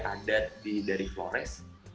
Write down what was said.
adat dari flores